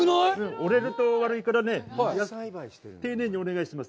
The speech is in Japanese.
折れると悪いからね、丁寧にお願いします。